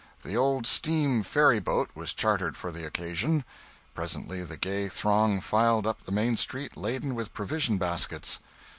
The old steam ferry boat was chartered for the occasion; presently the gay throng filed up the main street laden with provision baskets.